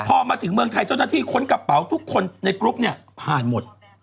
พอมาถึงเมืองไทยเจ้าหน้าที่ค้นกระเป๋าทุกคนในกรุ๊ปเนี่ยผ่านหมด